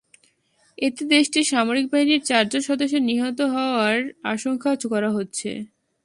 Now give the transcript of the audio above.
এতে দেশটির সামরিক বাহিনীর চারজন সদস্যের নিহত হওয়ার আশঙ্কা করা হচ্ছে।